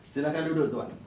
silakan duduk tuan